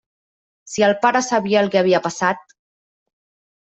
Si el pare sabia el que havia passat...!